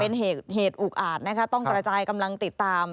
เป็นเหตุอุกอาจนะคะต้องกระจายกำลังติดตาม